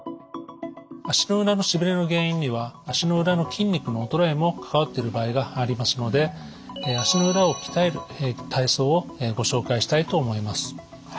足の裏のしびれの原因には足の裏の筋肉の衰えも関わってる場合がありますので足の裏を鍛える体操をご紹介したいと思います。